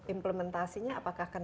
implementasinya apakah akan